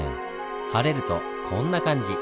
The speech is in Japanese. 晴れるとこんな感じ。